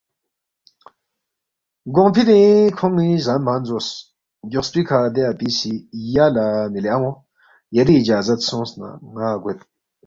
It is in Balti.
گونگفِنی کھون٘ی زان بان زوس، گیوخسپی کھہ دے اپی سی یا لہ مِلی ان٘و یری اِجازت سونگس نہ ن٘ا گوید